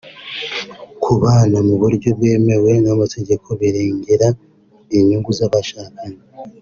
Kubana mu buryo bwemewe n’amategeko birengera inyungu z’abashakanye